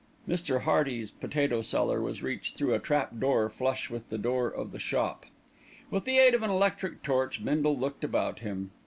Mr. Hearty's potato cellar was reached through a trap door flush with the floor of the shop. With the aid of an electric torch, Bindle looked about him.